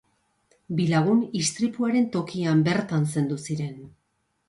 Bi lagun istripuaren tokian bertan zendu ziren.